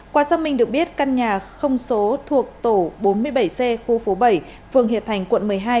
qua giác minh được biết căn nhà không số thuộc tổ bốn mươi bảy c khu phố bảy phường hiệp thành quận một mươi hai